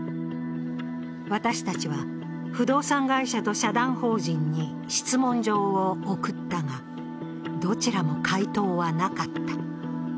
私たちは、不動産会社と社団法人に質問状を送ったがどちらも回答はなかった。